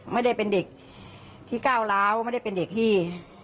ไม่ได้เป็นเด็กที่ก้าวร้าวไม่ได้เป็นเด็กที่